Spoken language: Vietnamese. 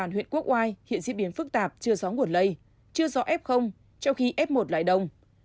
huyện quốc oai hiện diễn biến phức tạp chưa rõ nguồn lây chưa rõ f trong khi f một lại đông